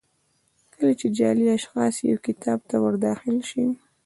کله چې جعلي اشخاص یو کتاب ته ور داخل شي.